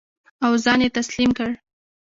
او ځان یې تسلیم کړ.